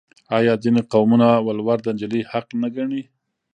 آیا ځینې قومونه ولور د نجلۍ حق نه ګڼي؟